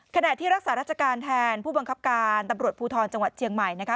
ขณะที่รักษาราชการแทนผู้บังคับการตำรวจภูทรจังหวัดเชียงใหม่นะคะ